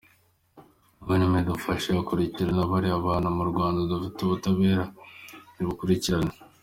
Guverinoma idufashije yakurikirana bariya bantu, mu Rwanda dufite ubutabera nibubakurikirane.